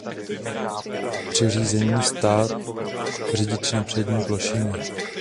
Při řízení stál řidič na přední plošině.